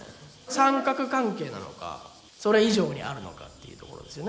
三角関係なのかそれ以上にあるのかっていうところですよね。